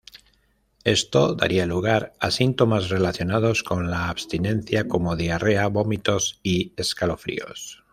Esto daría lugar a síntomas relacionados con la abstinencia como diarrea, vómitos y escalofríos.